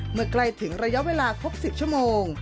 เมื่อใกล้ถึงระยะเวลาครบ๑๐ชั่วโมง